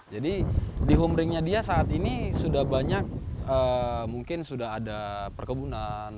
jadi di humringnya dia saat ini sudah banyak mungkin sudah ada perkebunan